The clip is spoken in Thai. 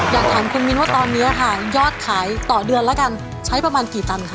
อยากถามคุณมินว่าตอนนี้ค่ะยอดขายต่อเดือนแล้วกันใช้ประมาณกี่ตันค่ะ